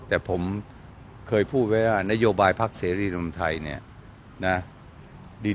แต่ผมเคยพูดไว้ว่านโยบายภาคเศรษฐศาสตร์ธรรมไทยเนี่ย